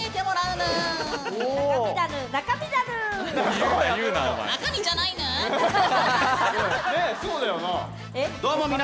ねぇそうだよな。